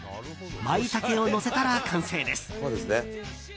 マイタケをのせたら完成です。